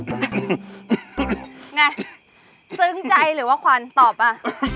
นี่ซึ้งใจหรือว่าควันตอบมา